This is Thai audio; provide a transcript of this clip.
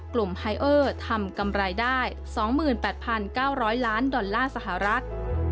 ไฮเออร์ทำกำไรได้๒๘๙๐๐ล้านดอลลาร์สหรัฐ